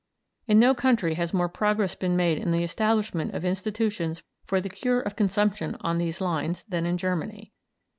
In no country has more progress been made in the establishment of institutions for the cure of consumption on these lines than in Germany.